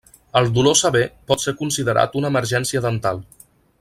El dolor sever pot ser considerat una emergència dental.